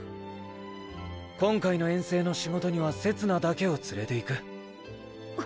今回の遠征の仕事にはせつなだけを連れていく。